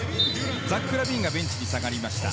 ザック・ラビーンがベンチに下がりました。